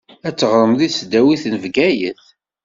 Ad teɣṛem di tesdawit n Bgayet.